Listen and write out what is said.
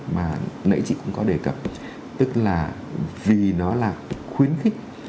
mà nãy chị cũng có đề cập tức là vì nó là khuyến khích